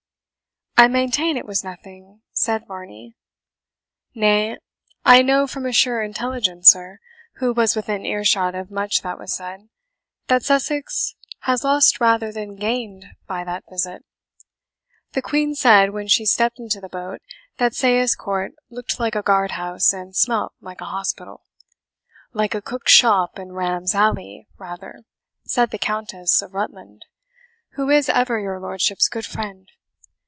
"I maintain it was nothing," said Varney; "nay, I know from a sure intelligencer, who was within earshot of much that was said, that Sussex has lost rather than gained by that visit. The Queen said, when she stepped into the boat, that Sayes Court looked like a guard house, and smelt like an hospital. 'Like a cook's shop in Ram's Alley, rather,' said the Countess of Rutland, who is ever your lordship's good friend.